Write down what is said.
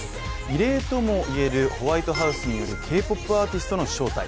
異例ともいえる、ホワイトハウスによるＫ−ＰＯＰアーティストの招待。